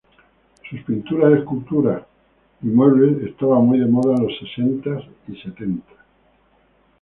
Sus pinturas, esculturas y muebles estaban muy de moda en los sesentas y setentas.